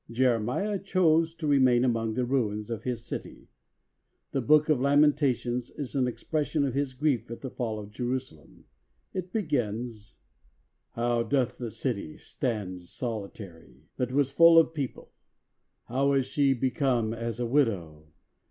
Jeremiah chose to remain among the ruins of his city. The Book of Lamentations is an expression of his grief at the fall of Jerusalem. It begins: — "How doth the city stand solitary, that was full of people: how is she become as a widow!